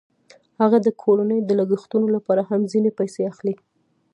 هغه د کورنۍ د لګښتونو لپاره هم ځینې پیسې اخلي